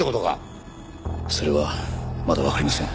それはまだわかりません。